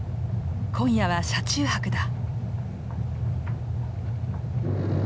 今夜は車中泊だ。